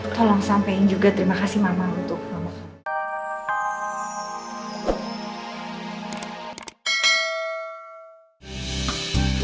tolong sampein juga terima kasih mama untuk kamu